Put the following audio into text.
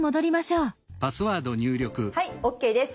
はいＯＫです。